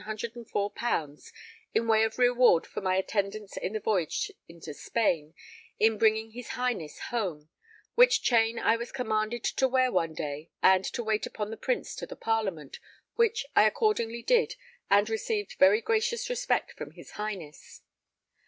_ in way of reward for my attendance in the voyage into Spain in bringing his Highness home, which chain I was commanded to wear one day, and to wait upon the Prince to the Parliament, which I accordingly did and received very gracious respect from his Highness.